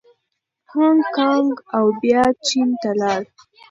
هانګکانګ او بیا چین ته لاړ.